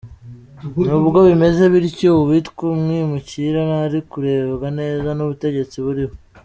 Nubwo bimeze bityo, uwitwa umwimukira ntari kurebwa neza n’ubutegetsi buriho.